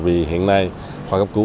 vì hiện nay phải cấp cứu